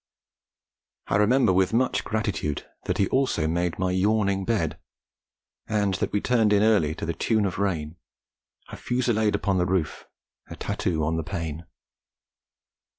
I remember with much gratitude that he also made my yawning bed, and that we turned in early to the tune of rain: A fusillade upon the roof, A tattoo on the pane.